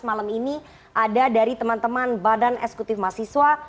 malam ini ada dari teman teman badan eksekutif mahasiswa